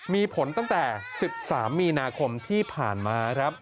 มีผลตั้งแต่๑๓มีนาคมที่ผ่านมาครับ